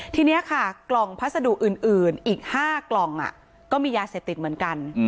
ทีนี้ค่ะกล่องพัสดุอื่นอีก๕กล่องก็มียาเสพติดเหมือนกัน